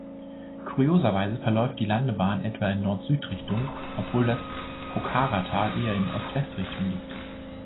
Kurioserweise verläuft die Landebahn etwa in Nord-Süd-Richtung, obwohl das Pokhara-Tal eher in Ost-West-Richtung liegt.